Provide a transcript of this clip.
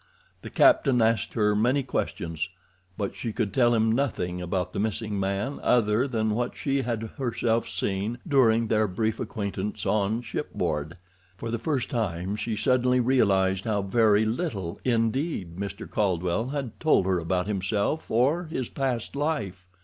The captain asked her many questions, but she could tell him nothing about the missing man other than what she had herself seen during their brief acquaintance on shipboard. For the first time she suddenly realized how very little indeed Mr. Caldwell had told her about himself or his past life.